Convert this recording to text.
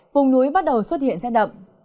vùng núi bắt đầu xuất hiện sẽ đậm